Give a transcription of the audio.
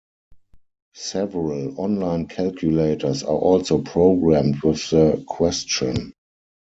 Several online calculators are also programmed with the Question.